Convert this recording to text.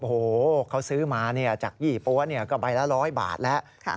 โอ้โหเขาซื้อมาจากยี่ปั๊วก็ใบละ๑๐๐บาทแล้ว